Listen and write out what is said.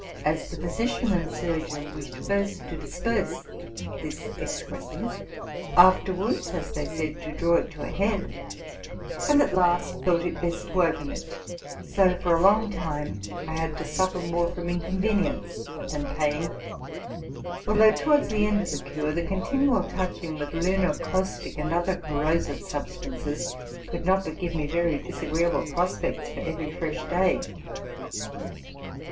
as the physician and surgeon wished first to disperse this excres cence, afterwards, as they said, to draw it to a head, and at last thought it best to open it; so for a long time I had to suffer more from inconvenience than pain, although towards the end of the cure the continual touching with lunar caustic and other corrosive substances could not but give me very disagreeable prospects for every fresh day.